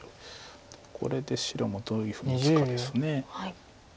これで白もどういうふうに打つかです。